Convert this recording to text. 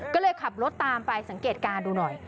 ก็เลยขับรถตามไปสังเกตการณ์ดูหน่อย